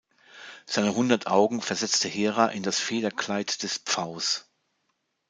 Seine hundert Augen versetzte Hera in das Federkleid des Pfaus.